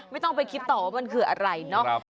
ไม่ต้องไปคิดต่อว่ามันคืออะไรเนาะ